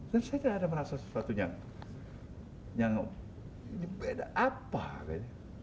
dan saya tidak ada merasa sesuatu yang berbeda apa